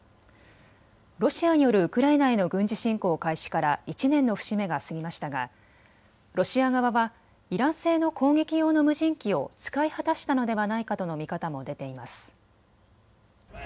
ロシアによるウクライナへの軍事侵攻開始から１年の節目が過ぎましたがロシア側はイラン製の攻撃用の無人機を使い果たしたのではないかとの見方も出ています。